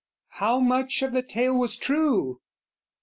"How much of the tale was true?"